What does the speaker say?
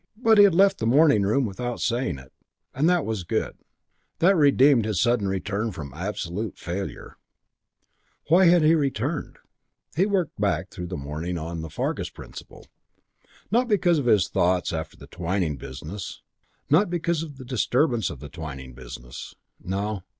But he had left the morning room without saying it, and that was good; that redeemed his sudden return from absolute failure. Why had he returned? He "worked back" through the morning on the Fargus principle. Not because of his thoughts after the Twyning business; not because of the disturbance of the Twyning business. No.